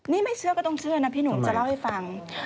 นี่ไม่เชื่อก็ต้องเชื่อนะพี่หนุ่มจะเล่าให้ฟัง